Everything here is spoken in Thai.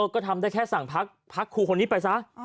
ก็ทำได้แค่สั่งพักครูคนนี้ไปซะ